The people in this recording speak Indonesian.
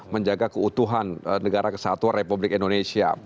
menjaga keutuhan negara kesatuan republik indonesia